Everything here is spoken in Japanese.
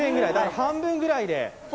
半分ぐらいで。